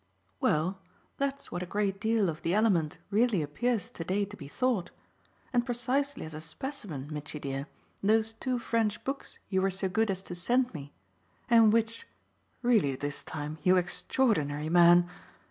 "Well, that's what a great deal of the element really appears to day to be thought; and precisely as a specimen, Mitchy dear, those two French books you were so good as to send me and which really this time, you extraordinary man!"